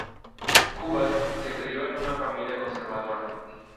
Cubas se crio en una familia conservadora.